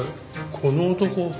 この男。